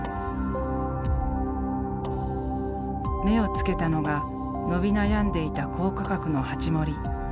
目をつけたのが伸び悩んでいた高価格の「鉢盛」。